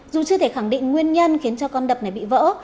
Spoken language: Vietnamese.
dù chưa thể khẳng định nguyên nhân khiến cho con đập này bị vỡ